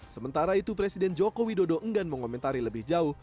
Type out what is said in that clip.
sementara itu presiden joko widodo enggan mengomentari lebih jauh